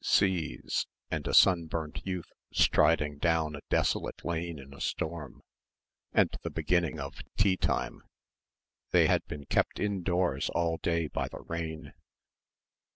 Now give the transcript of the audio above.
seas ... and a sunburnt youth striding down a desolate lane in a storm ... and the beginning of tea time. They had been kept indoors all day by the rain.